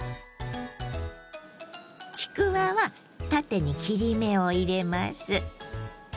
ちくわは縦に切り目を入れます。